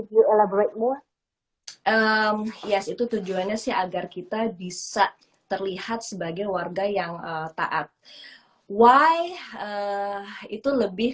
full elaborate mor yes itu tujuannya sih agar kita bisa terlihat sebagai warga yang taat why itu lebih